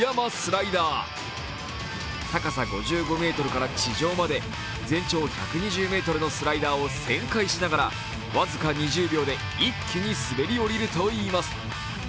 高さ５５ｍから地上まで全長１２０ｍのスライダーを旋回しながら僅か２０秒で一気に滑り降りるといいます。